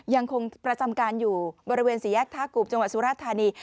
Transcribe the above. ยังคงประจำการอยู่บริเวณสี่แยกท่ากูบจังหวัดสุราธานี